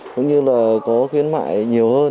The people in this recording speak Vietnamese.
cũng như là có khuyến mại nhiều hơn